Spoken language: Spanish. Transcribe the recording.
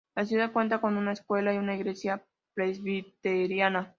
La ciudad cuenta con una escuela y una Iglesia Presbiteriana.